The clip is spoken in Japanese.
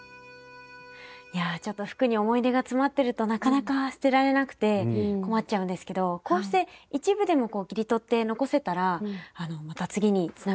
いやちょっと服に思い出が詰まってるとなかなか捨てられなくて困っちゃうんですけどこうして一部でも切り取って残せたらまた次につながりますよね。